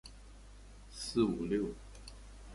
四五六